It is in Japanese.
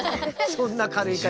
そんな軽い言い方。